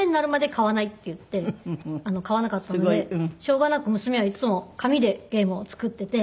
買わない」って言って買わなかったのでしょうがなく娘はいつも紙でゲームを作っていて。